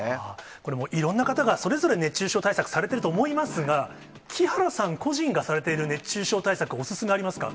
これもう、いろんな方がそれぞれ熱中症対策されてると思いますが、木原さん個人がされている熱中症対策、お勧めありますか。